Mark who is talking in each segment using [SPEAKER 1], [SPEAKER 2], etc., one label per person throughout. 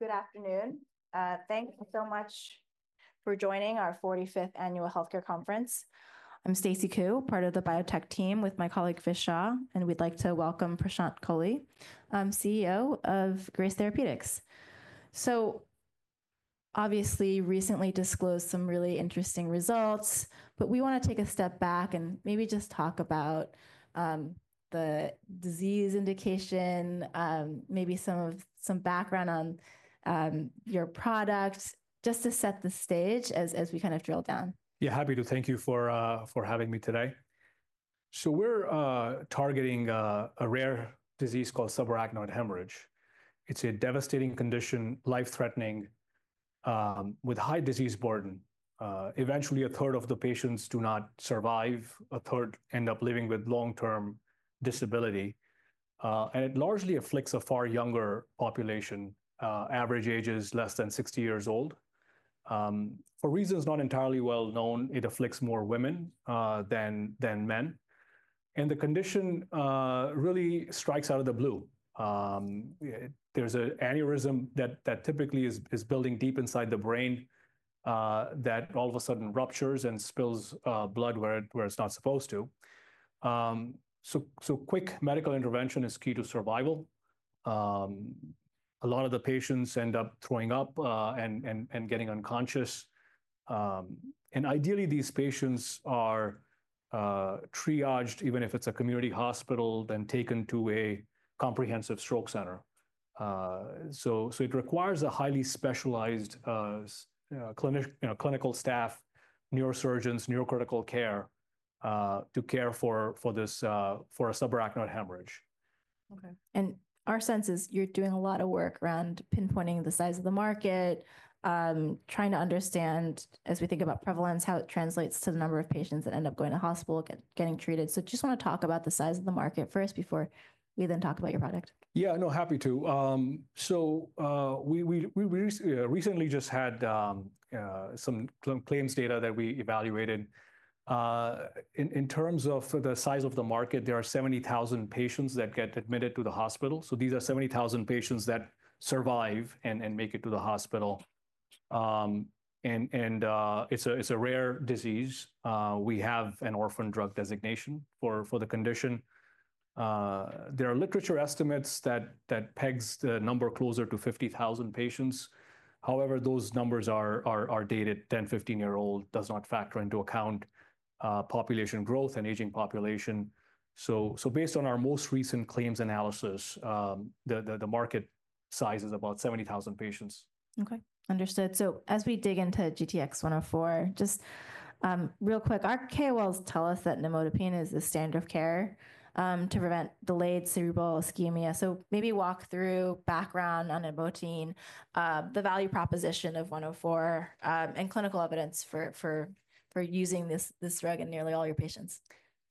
[SPEAKER 1] Good afternoon. Thanks so much for joining our 45th Annual Healthcare Conference. I'm Stacy Ku, part of the biotech team with my colleague Vishal, and we'd like to welcome Prashant Kohli, CEO of Grace Therapeutics. Obviously, you recently disclosed some really interesting results, but we want to take a step back and maybe just talk about the disease indication, maybe some background on your products, just to set the stage as we kind of drill down.
[SPEAKER 2] Yeah, happy to. Thank you for having me today. We're targeting a rare disease called subarachnoid hemorrhage. It's a devastating condition, life-threatening, with high disease burden. Eventually, a third of the patients do not survive. A third end up living with long-term disability. It largely afflicts a far younger population. Average age is less than 60 years old. For reasons not entirely well known, it afflicts more women than men. The condition really strikes out of the blue. There's an aneurysm that typically is building deep inside the brain, that all of a sudden ruptures and spills blood where it's not supposed to. Quick medical intervention is key to survival. A lot of the patients end up throwing up and getting unconscious. Ideally, these patients are triaged, even if it's a community hospital, then taken to a comprehensive stroke center. It requires a highly specialized clinical staff, neurosurgeons, neurocritical care, to care for this, for a subarachnoid hemorrhage.
[SPEAKER 1] Okay. Our sense is you're doing a lot of work around pinpointing the size of the market, trying to understand, as we think about prevalence, how it translates to the number of patients that end up going to hospital, getting treated. I just want to talk about the size of the market first before we then talk about your product.
[SPEAKER 2] Yeah, no, happy to. We recently just had some claims data that we evaluated. In terms of the size of the market, there are 70,000 patients that get admitted to the hospital. So these are 70,000 patients that survive and make it to the hospital. It's a rare disease. We have an orphan drug designation for the condition. There are literature estimates that peg the number closer to 50,000 patients. However, those numbers are dated. Ten, fifteen-year-old does not factor into account population growth and aging population. Based on our most recent claims analysis, the market size is about 70,000 patients.
[SPEAKER 1] Okay, understood. As we dig into GTX-104, just, real quick, our KOLs tell us that nimodipine is the standard of care, to prevent delayed cerebral ischemia. Maybe walk through background on nimodipine, the value proposition of 104, and clinical evidence for using this drug in nearly all your patients.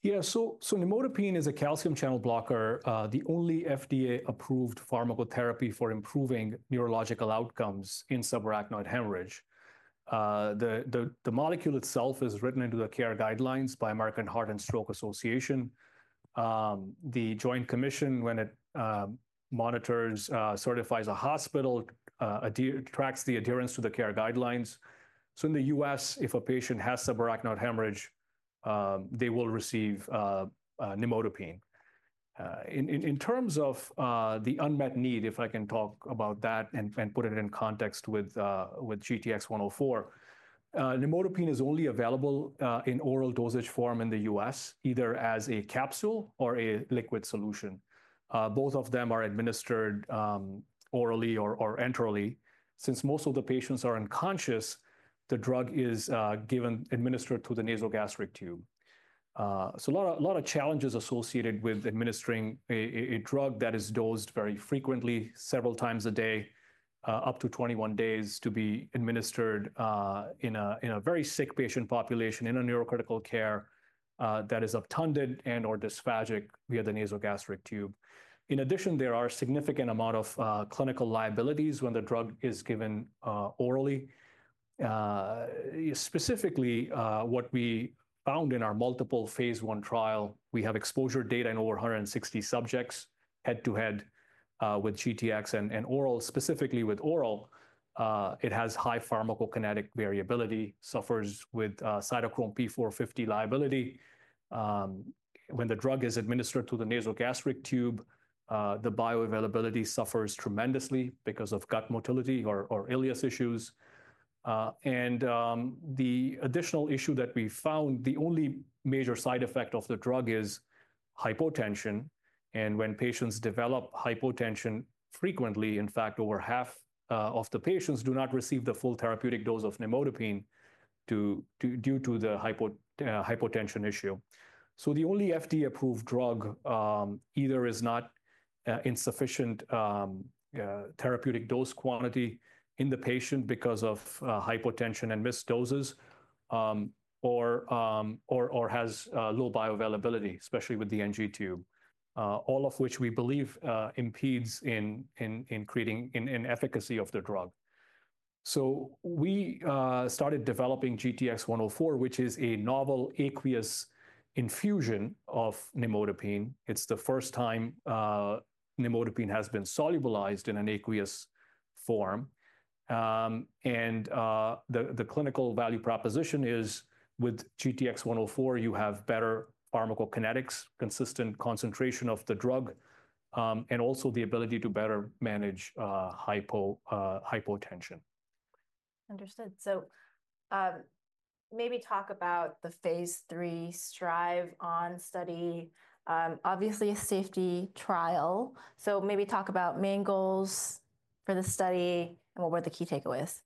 [SPEAKER 2] Yeah, so nimodipine is a calcium channel blocker, the only FDA-approved pharmacotherapy for improving neurological outcomes in subarachnoid hemorrhage. The molecule itself is written into the care guidelines by American Heart and Stroke Association. The Joint Commission, when it monitors, certifies a hospital, tracks the adherence to the care guidelines. In the US, if a patient has subarachnoid hemorrhage, they will receive nimodipine. In terms of the unmet need, if I can talk about that and put it in context with GTX-104, nimodipine is only available in oral dosage form in the US, either as a capsule or a liquid solution. Both of them are administered orally or enterally. Since most of the patients are unconscious, the drug is given, administered through the nasogastric tube. A lot of challenges are associated with administering a drug that is dosed very frequently, several times a day, up to 21 days to be administered, in a very sick patient population in neurocritical care, that is obtunded and or dysphagic via the nasogastric tube. In addition, there are a significant amount of clinical liabilities when the drug is given orally. Specifically, what we found in our multiple phase one trial, we have exposure data in over 160 subjects head to head, with GTX and oral. Specifically with oral, it has high pharmacokinetic variability, suffers with cytochrome P450 liability. When the drug is administered through the nasogastric tube, the bioavailability suffers tremendously because of gut motility or ileus issues. The additional issue that we found, the only major side effect of the drug is hypotension. When patients develop hypotension frequently, in fact, over half of the patients do not receive the full therapeutic dose of nimodipine due to the hypotension issue. The only FDA-approved drug either is not in sufficient therapeutic dose quantity in the patient because of hypotension and missed doses, or has low bioavailability, especially with the NG tube, all of which we believe impedes in creating efficacy of the drug. We started developing GTX-104, which is a novel aqueous infusion of nimodipine. It's the first time nimodipine has been solubilized in an aqueous form, and the clinical value proposition is with GTX-104, you have better pharmacokinetics, consistent concentration of the drug, and also the ability to better manage hypotension.
[SPEAKER 1] Understood. Maybe talk about the phase three STRIVE-ON study, obviously a safety trial. Maybe talk about main goals for the study and what were the key takeaways.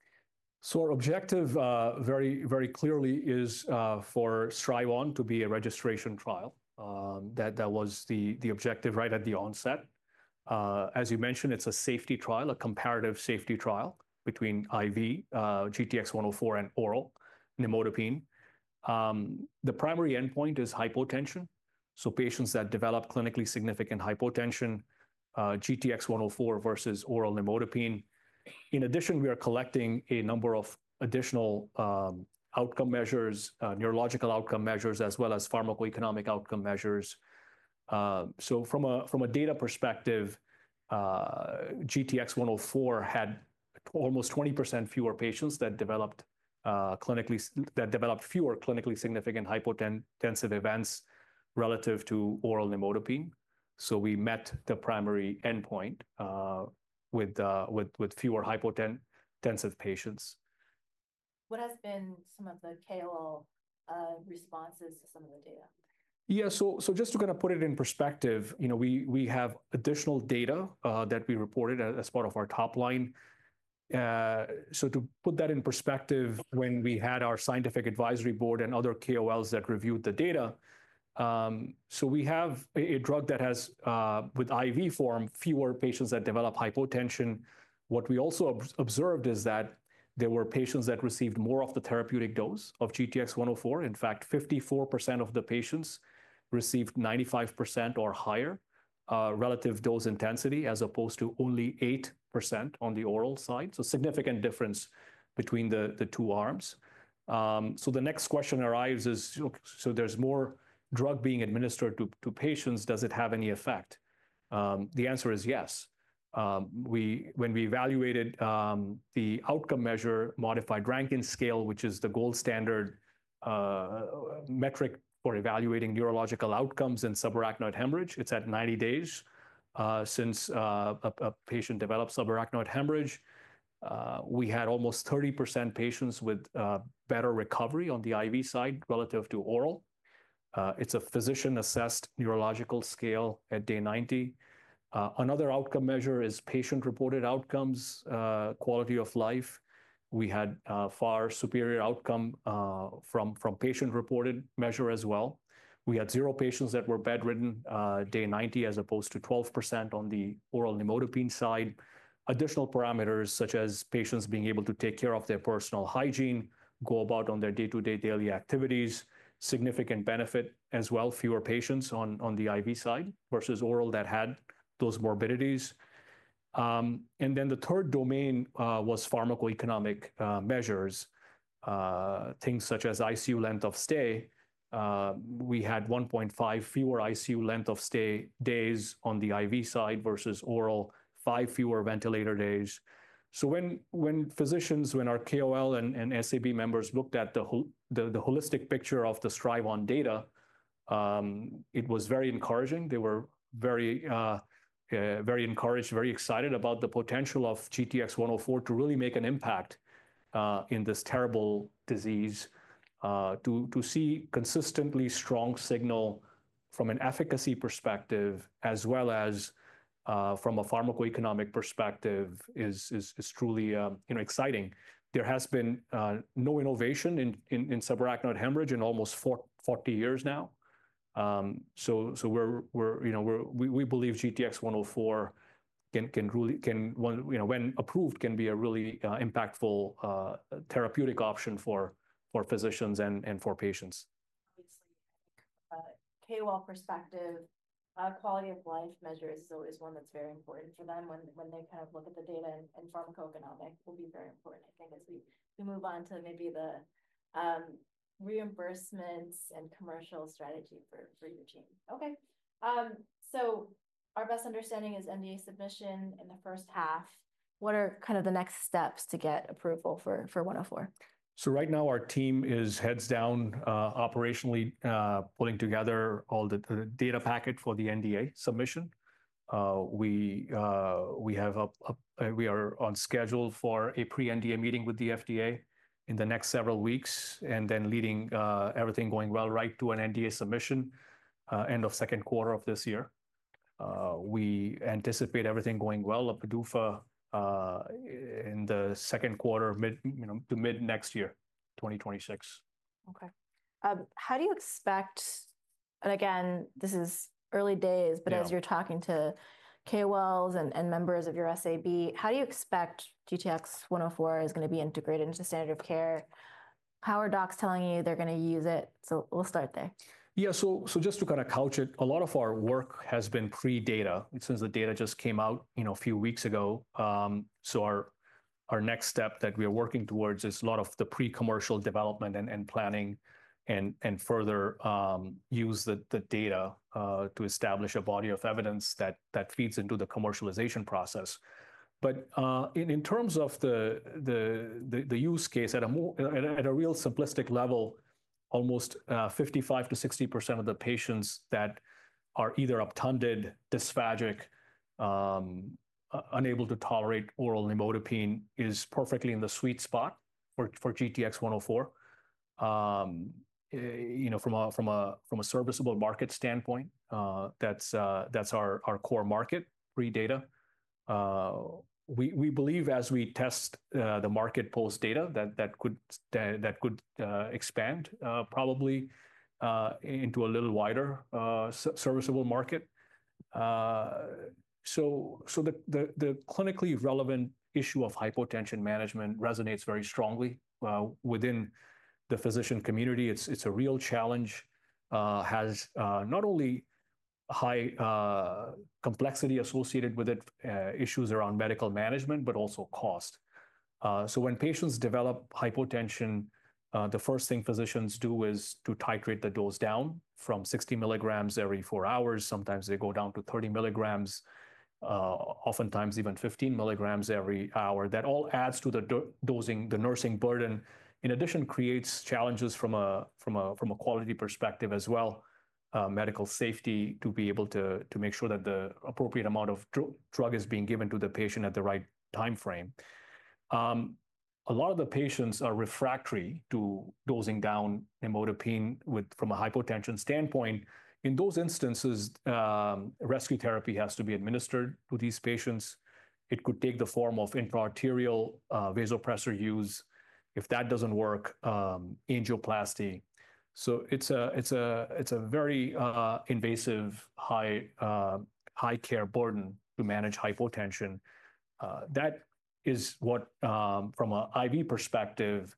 [SPEAKER 2] Our objective, very, very clearly is, for STRIVE-ON to be a registration trial. That was the objective right at the onset. As you mentioned, it's a safety trial, a comparative safety trial between IV GTX-104 and oral nimodipine. The primary endpoint is hypotension. Patients that develop clinically significant hypotension, GTX-104 versus oral nimodipine. In addition, we are collecting a number of additional outcome measures, neurological outcome measures, as well as pharmacoeconomic outcome measures. From a data perspective, GTX-104 had almost 20% fewer patients that developed fewer clinically significant hypotensive events relative to oral nimodipine. We met the primary endpoint, with fewer hypotensive patients.
[SPEAKER 1] What has been some of the KOL responses to some of the data?
[SPEAKER 2] Yeah, so just to kind of put it in perspective, you know, we have additional data that we reported as part of our top line. To put that in perspective, when we had our scientific advisory board and other KOLs that reviewed the data, we have a drug that has, with IV form, fewer patients that develop hypotension. What we also observed is that there were patients that received more of the therapeutic dose of GTX-104. In fact, 54% of the patients received 95% or higher relative dose intensity as opposed to only 8% on the oral side. Significant difference between the two arms. The next question arises, is there more drug being administered to patients, does it have any effect? The answer is yes. When we evaluated the outcome measure, modified Rankin Scale, which is the gold standard metric for evaluating neurological outcomes in subarachnoid hemorrhage, it's at 90 days since a patient developed subarachnoid hemorrhage. We had almost 30% patients with better recovery on the IV side relative to oral. It's a physician-assessed neurological scale at day 90. Another outcome measure is patient-reported outcomes, quality of life. We had far superior outcome from patient-reported measure as well. We had zero patients that were bedridden day 90, as opposed to 12% on the oral nimodipine side. Additional parameters such as patients being able to take care of their personal hygiene, go about on their day-to-day daily activities, significant benefit as well, fewer patients on the IV side versus oral that had those morbidities. Then the third domain was pharmacoeconomic measures, things such as ICU length of stay. We had 1.5 fewer ICU length of stay days on the IV side versus oral, five fewer ventilator days. When physicians, when our KOL and SAB members looked at the holistic picture of the STRIVE-ON data, it was very encouraging. They were very, very encouraged, very excited about the potential of GTX-104 to really make an impact in this terrible disease. To see consistently strong signal from an efficacy perspective, as well as from a pharmacoeconomic perspective, is truly, you know, exciting. There has been no innovation in subarachnoid hemorrhage in almost 40 years now. We believe GTX-104 can really, you know, when approved, can be a really impactful therapeutic option for physicians and for patients.
[SPEAKER 1] KOL perspective, quality of life measure is always one that's very important for them when they kind of look at the data and pharmacoeconomic will be very important, I think, as we move on to maybe the reimbursements and commercial strategy for your team. Okay. Our best understanding is NDA submission in the first half. What are kind of the next steps to get approval for 104?
[SPEAKER 2] Right now, our team is heads down, operationally, putting together all the data packet for the NDA submission. We have a we are on schedule for a pre-NDA meeting with the FDA in the next several weeks and then, everything going well, right to an NDA submission, end of second quarter of this year. We anticipate everything going well up to, in the second quarter, you know, to mid next year, 2026.
[SPEAKER 1] Okay. How do you expect, and again, this is early days, but as you're talking to KOLs and members of your SAB, how do you expect GTX-104 is going to be integrated into standard of care? How are docs telling you they're going to use it? We'll start there.
[SPEAKER 2] Yeah, so just to kind of couch it, a lot of our work has been pre-data since the data just came out, you know, a few weeks ago. So our next step that we are working towards is a lot of the pre-commercial development and planning and further, use the data to establish a body of evidence that feeds into the commercialization process. In terms of the use case at a real simplistic level, almost 55-60% of the patients that are either obtunded, dysphagic, unable to tolerate oral nimodipine is perfectly in the sweet spot for GTX-104. You know, from a serviceable market standpoint, that's our core market pre-data. We believe as we test the market post data that that could expand, probably, into a little wider serviceable market. The clinically relevant issue of hypotension management resonates very strongly within the physician community. It's a real challenge, has not only a high complexity associated with it, issues around medical management, but also cost. When patients develop hypotension, the first thing physicians do is to titrate the dose down from 60 milligrams every four hours. Sometimes they go down to 30 milligrams, oftentimes even 15 milligrams every hour. That all adds to the dosing, the nursing burden. In addition, creates challenges from a quality perspective as well, medical safety to be able to make sure that the appropriate amount of drug is being given to the patient at the right time frame. A lot of the patients are refractory to dosing down nimodipine from a hypotension standpoint. In those instances, rescue therapy has to be administered to these patients. It could take the form of intraarterial vasopressor use. If that doesn't work, angioplasty. It is a very invasive, high care burden to manage hypotension. That is what, from an IV perspective,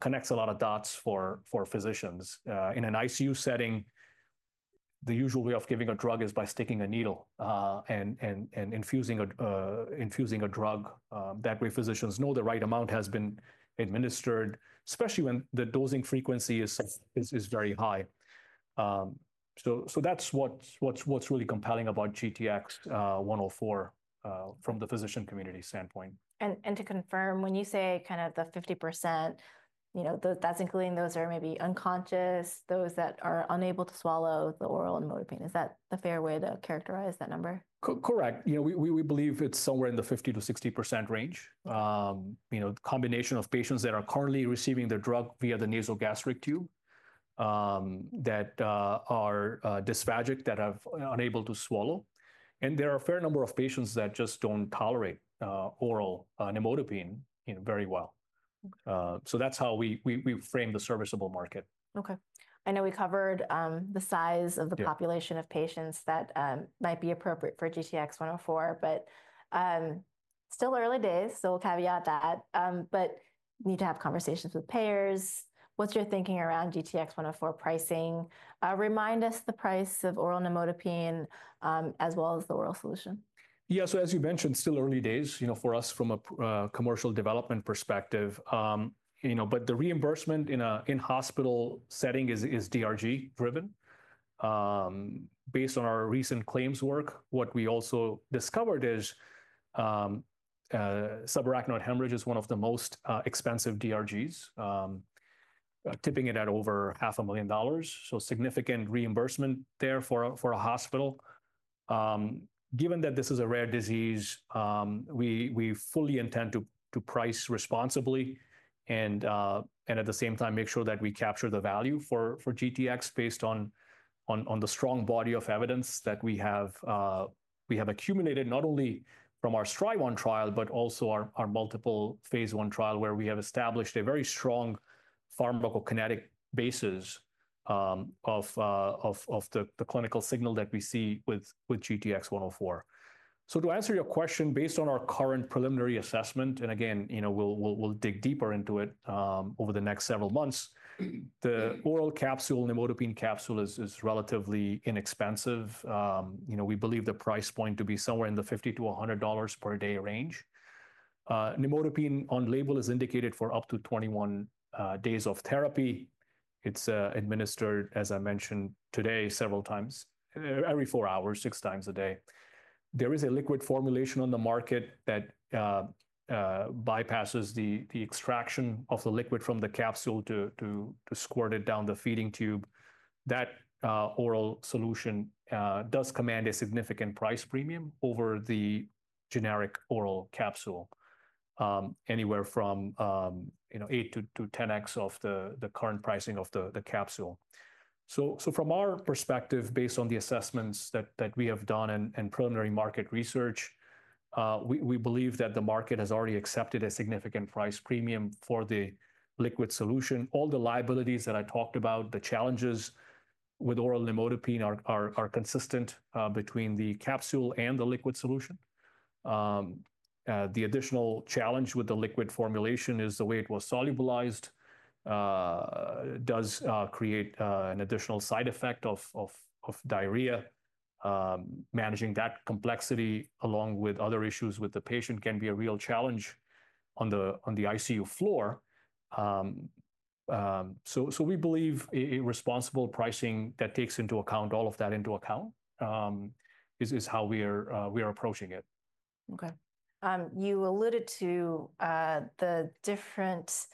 [SPEAKER 2] connects a lot of dots for physicians. In an ICU setting, the usual way of giving a drug is by sticking a needle and infusing a drug. That way, physicians know the right amount has been administered, especially when the dosing frequency is very high. That's what's really compelling about GTX-104 from the physician community standpoint.
[SPEAKER 1] And to confirm, when you say kind of the 50%, you know, that's including those that are maybe unconscious, those that are unable to swallow the oral nimodipine, is that a fair way to characterize that number?
[SPEAKER 2] Correct. You know, we believe it's somewhere in the 50-60% range. You know, the combination of patients that are currently receiving their drug via the nasogastric tube, that are dysphagic, that have unable to swallow. There are a fair number of patients that just don't tolerate oral nimodipine, you know, very well. That's how we frame the serviceable market.
[SPEAKER 1] Okay. I know we covered the size of the population of patients that might be appropriate for GTX-104, but still early days, so we'll caveat that. Need to have conversations with payers. What's your thinking around GTX-104 pricing? Remind us the price of oral nimodipine, as well as the oral solution.
[SPEAKER 2] Yeah, so as you mentioned, still early days, you know, for us from a commercial development perspective, you know, but the reimbursement in a hospital setting is DRG driven. Based on our recent claims work, what we also discovered is, subarachnoid hemorrhage is one of the most expensive DRGs, tipping it at over $500,000. So significant reimbursement there for a hospital. Given that this is a rare disease, we fully intend to price responsibly and, at the same time, make sure that we capture the value for GTX-104 based on the strong body of evidence that we have accumulated not only from our STRIVE-ON trial, but also our multiple phase one trial where we have established a very strong pharmacokinetic basis of the clinical signal that we see with GTX-104. To answer your question, based on our current preliminary assessment, and again, you know, we'll dig deeper into it over the next several months, the oral capsule, nimodipine capsule, is relatively inexpensive. You know, we believe the price point to be somewhere in the $50-$100 per day range. Nimodipine on label is indicated for up to 21 days of therapy. It's administered, as I mentioned today, several times, every four hours, six times a day. There is a liquid formulation on the market that bypasses the extraction of the liquid from the capsule to squirt it down the feeding tube. That oral solution does command a significant price premium over the generic oral capsule, anywhere from, you know, 8-10x of the current pricing of the capsule. From our perspective, based on the assessments that we have done and preliminary market research, we believe that the market has already accepted a significant price premium for the liquid solution. All the liabilities that I talked about, the challenges with oral nimodipine, are consistent between the capsule and the liquid solution. The additional challenge with the liquid formulation is the way it was solubilized does create an additional side effect of diarrhea. Managing that complexity along with other issues with the patient can be a real challenge on the ICU floor. We believe a responsible pricing that takes all of that into account is how we are approaching it.
[SPEAKER 1] Okay. You alluded to the different,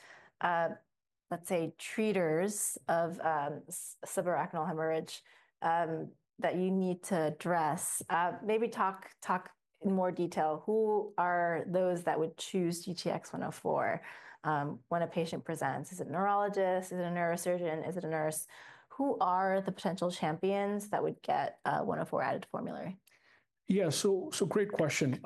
[SPEAKER 1] let's say, treaters of subarachnoid hemorrhage that you need to address. Maybe talk in more detail. Who are those that would choose GTX-104 when a patient presents? Is it a neurologist? Is it a neurosurgeon? Is it a nurse? Who are the potential champions that would get 104 added formulary?
[SPEAKER 2] Yeah, so great question.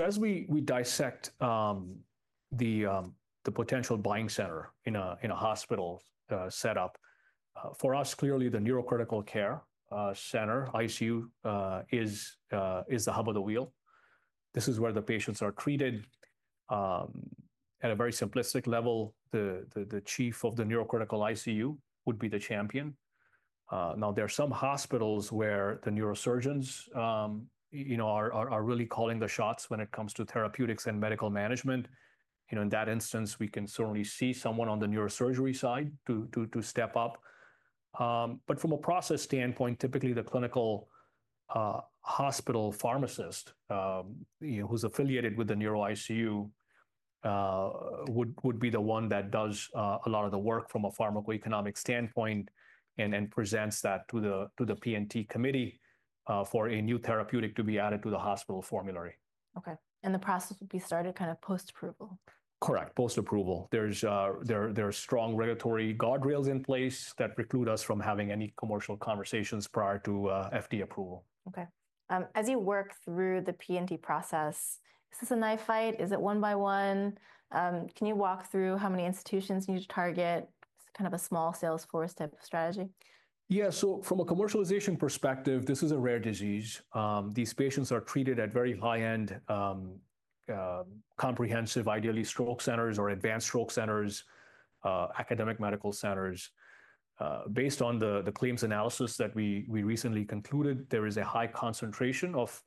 [SPEAKER 2] As we dissect the potential buying center in a hospital setup, for us, clearly, the neurocritical care center ICU is the hub of the wheel. This is where the patients are treated. At a very simplistic level, the chief of the neurocritical ICU would be the champion. Now, there are some hospitals where the neurosurgeons, you know, are really calling the shots when it comes to therapeutics and medical management. You know, in that instance, we can certainly see someone on the neurosurgery side to step up. From a process standpoint, typically, the clinical, hospital pharmacist, you know, who's affiliated with the neuro ICU, would be the one that does a lot of the work from a pharmacoeconomic standpoint and presents that to the P&T committee, for a new therapeutic to be added to the hospital formulary.
[SPEAKER 1] Okay. The process would be started kind of post-approval?
[SPEAKER 2] Correct. Post-approval. There are strong regulatory guardrails in place that preclude us from having any commercial conversations prior to FDA approval.
[SPEAKER 1] Okay. As you work through the P&T process, is this a knife fight? Is it one by one? Can you walk through how many institutions you need to target? It's kind of a small salesforce type of strategy?
[SPEAKER 2] Yeah, so from a commercialization perspective, this is a rare disease. These patients are treated at very high-end, comprehensive, ideally stroke centers or advanced stroke centers, academic medical centers. Based on the claims analysis that we recently concluded, there is a high concentration of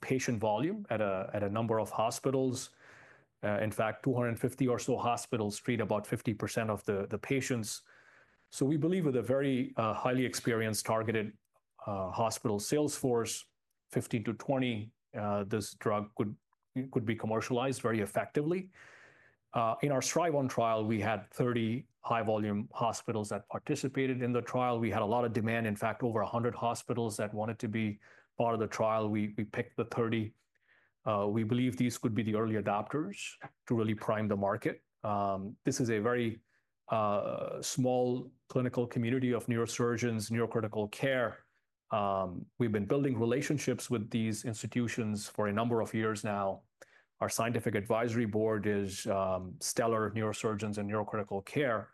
[SPEAKER 2] patient volume at a number of hospitals. In fact, 250 or so hospitals treat about 50% of the patients. We believe with a very highly experienced, targeted, hospital salesforce, 15-20, this drug could be commercialized very effectively. In our STRIVE-ON trial, we had 30 high-volume hospitals that participated in the trial. We had a lot of demand, in fact, over 100 hospitals that wanted to be part of the trial. We picked the 30. We believe these could be the early adopters to really prime the market. This is a very small clinical community of neurosurgeons, neurocritical care. We've been building relationships with these institutions for a number of years now. Our scientific advisory board is stellar neurosurgeons and neurocritical care.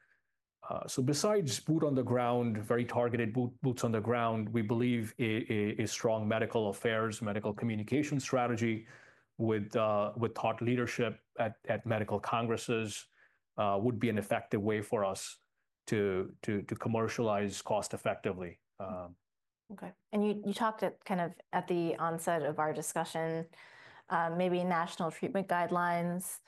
[SPEAKER 2] Besides boots on the ground, very targeted boots on the ground, we believe a strong medical affairs, medical communication strategy with thought leadership at medical congresses would be an effective way for us to commercialize cost-effectively.
[SPEAKER 1] Okay. You talked at kind of at the onset of our discussion, maybe national treatment guidelines.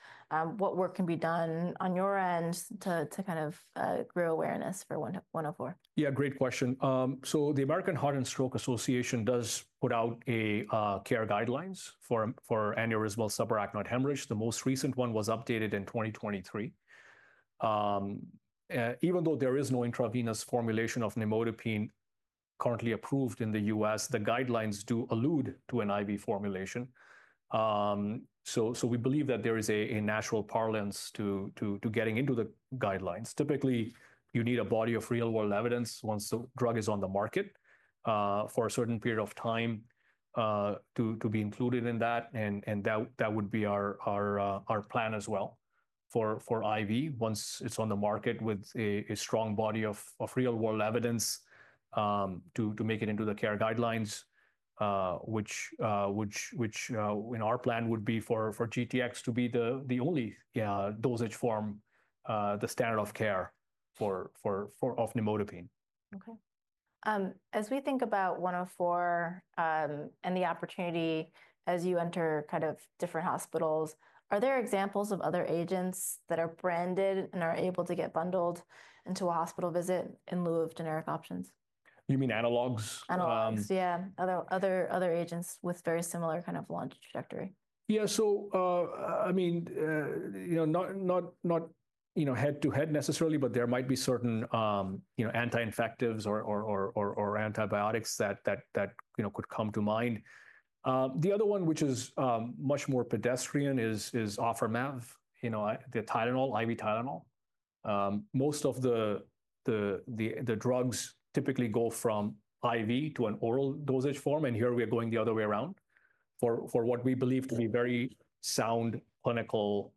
[SPEAKER 1] What work can be done on your end to kind of grow awareness for 104?
[SPEAKER 2] Yeah, great question. The American Heart and Stroke Association does put out care guidelines for aneurysmal subarachnoid hemorrhage. The most recent one was updated in 2023. Even though there is no intravenous formulation of nimodipine currently approved in the U.S., the guidelines do allude to an IV formulation. We believe that there is a natural parlance to getting into the guidelines. Typically, you need a body of real-world evidence once the drug is on the market, for a certain period of time, to be included in that. That would be our plan as well for IV once it's on the market with a strong body of real-world evidence, to make it into the care guidelines, which, in our plan would be for GTX-104 to be the only dosage form, the standard of care for nimodipine.
[SPEAKER 1] Okay. As we think about 104, and the opportunity as you enter kind of different hospitals, are there examples of other agents that are branded and are able to get bundled into a hospital visit in lieu of generic options?
[SPEAKER 2] You mean analogs?
[SPEAKER 1] Analogs, yeah. Other agents with very similar kind of launch trajectory.
[SPEAKER 2] Yeah, so, I mean, you know, not not, you know, head to head necessarily, but there might be certain, you know, anti-infectives or antibiotics that, you know, could come to mind. The other one, which is much more pedestrian, is Ofirmev, you know, the Tylenol, IV Tylenol. Most of the drugs typically go from IV to an oral dosage form, and here we are going the other way around for what we believe to be very sound, clinically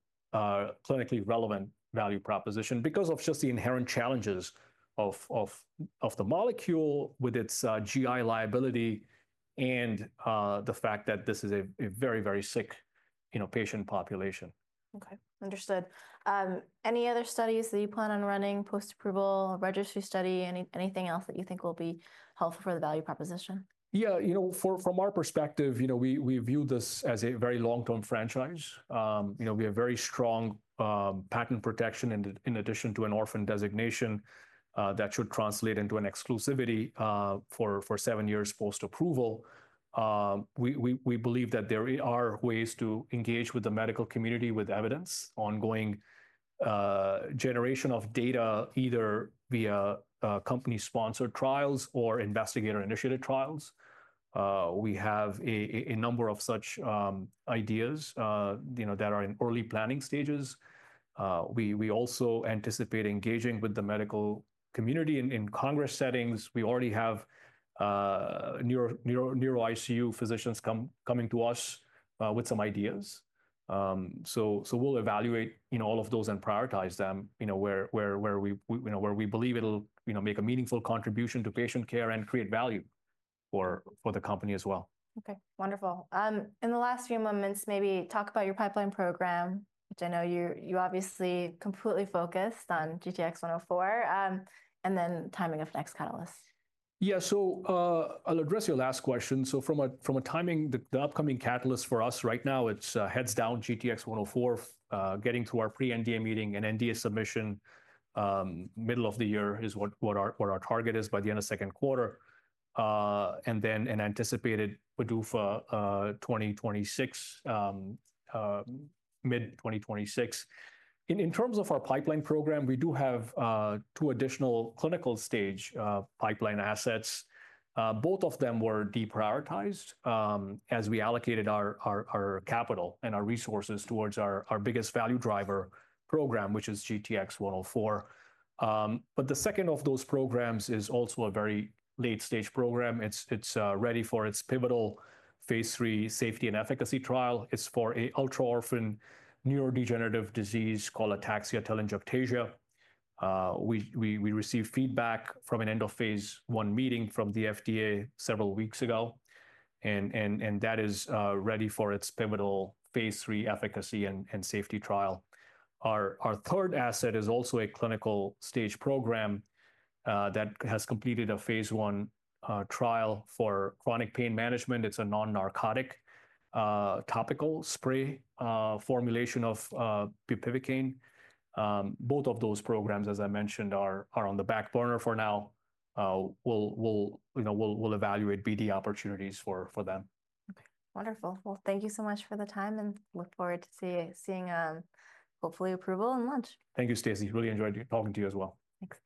[SPEAKER 2] relevant value proposition because of just the inherent challenges of the molecule with its GI liability and the fact that this is a very, very sick, you know, patient population.
[SPEAKER 1] Okay. Understood. Any other studies that you plan on running, post-approval, registry study, anything else that you think will be helpful for the value proposition?
[SPEAKER 2] Yeah, you know, from our perspective, you know, we view this as a very long-term franchise. You know, we have very strong patent protection in addition to an orphan designation that should translate into an exclusivity for seven years post-approval. We believe that there are ways to engage with the medical community with evidence, ongoing generation of data either via company-sponsored trials or investigator-initiated trials. We have a number of such ideas, you know, that are in early planning stages. We also anticipate engaging with the medical community in Congress settings. We already have neuro ICU physicians coming to us with some ideas. So we'll evaluate, you know, all of those and prioritize them, you know, where we, you know, where we believe it'll, you know, make a meaningful contribution to patient care and create value for the company as well.
[SPEAKER 1] Okay. Wonderful. In the last few moments, maybe talk about your pipeline program, which I know you obviously completely focused on GTX-104, and then timing of next catalyst.
[SPEAKER 2] Yeah, I'll address your last question. From a timing, the upcoming catalyst for us right now, it's heads down GTX-104, getting to our pre-NDA meeting and NDA submission, middle of the year is what our target is by the end of second quarter. An anticipated PDUFA, 2026, mid-2026. In terms of our pipeline program, we do have two additional clinical stage pipeline assets. Both of them were deprioritized, as we allocated our capital and our resources towards our biggest value driver program, which is GTX-104. The second of those programs is also a very late-stage program. It's ready for its pivotal phase 3 safety and efficacy trial. It's for an ultra-orphan neurodegenerative disease called ataxia telangiectasia. We received feedback from an end-of-phase one meeting from the FDA several weeks ago, and that is ready for its pivotal phase three efficacy and safety trial. Our third asset is also a clinical stage program, that has completed a phase one trial for chronic pain management. It's a non-narcotic, topical spray formulation of bupivacaine. Both of those programs, as I mentioned, are on the back burner for now. We'll, you know, evaluate BD opportunities for them.
[SPEAKER 1] Okay. Wonderful. Thank you so much for the time and look forward to seeing, hopefully, approval and launch.
[SPEAKER 2] Thank you, Stacy. Really enjoyed talking to you as well.
[SPEAKER 1] Thanks.